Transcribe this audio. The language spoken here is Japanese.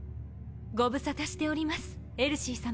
ご無沙汰しておりますエルシーさま。